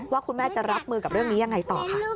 ว่าคุณแม่จะรับมือกับเรื่องนี้ยังไงต่อค่ะ